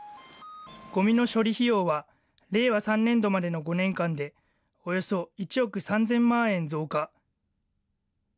ごみの処理費用は、令和３年度までの５年間でおよそ１億３０００万円増加。